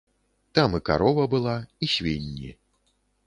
Там і карова была, і свінні.